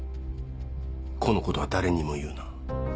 このことは誰にも言うな。